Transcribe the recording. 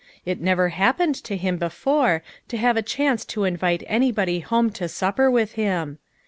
It never happened to him before to have a chance to invite anybody home to supper with him.